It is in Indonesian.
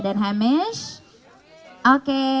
dan heimis oke